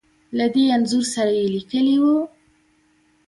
له دې انځور سره يې ليکلې وو .